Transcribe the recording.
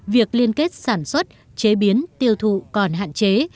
việc liên kết sản xuất chế biến tiêu thụ còn hạn chế